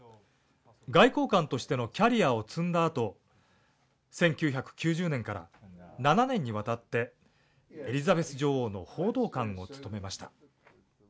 外交官としてのキャリアを積んだあと１９９０年から７年にわたってエリザベス女王の報道官を務めました。